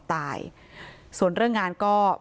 ตายส่วนเรื่องงานก็